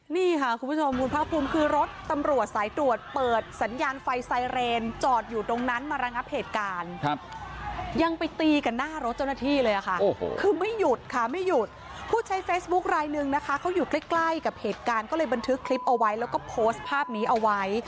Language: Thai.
นี่ค่ะคุณผู้ชมคุณภาคภูมิคือรถตำรวจสายตรวจเปิดสัญญาณไฟไซเรนจอดอยู่ตรงนั้นมาระงับเหตุการณ์ครับยังไปตีกันหน้ารถเจ้าหน้าที่เลยค่ะคือไม่หยุดค่ะไม่หยุดผู้ใช้เฟซบุ๊คลายหนึ่งนะคะเขาอยู่ใกล้ใกล้กับเหตุการณ์ก็เลยบันทึกคลิปเอาไว้แล้วก็โพสต์ภาพนี้เอาไว้